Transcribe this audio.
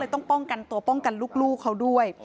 ต้องป้องกันตัวป้องกันลูกเขาด้วย